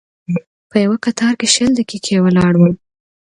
په یوه کتار کې شل دقیقې ولاړ وم.